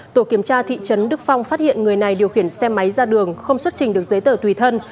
tổ kiểm tra thị trấn đức phong phát hiện người này điều khiển xe máy ra đường không xuất trình được giấy tờ tùy thân